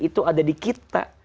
itu ada di kita